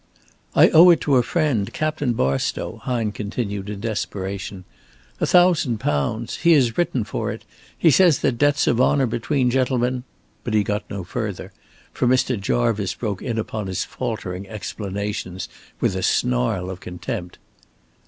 "I owe it to a friend, Captain Barstow," Hine continued, in desperation. "A thousand pounds. He has written for it. He says that debts of honor between gentlemen " But he got no further, for Mr. Jarvice broke in upon his faltering explanations with a snarl of contempt.